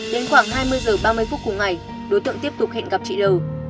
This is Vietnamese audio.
đến khoảng hai mươi h ba mươi phút cùng ngày đối tượng tiếp tục hẹn gặp chị l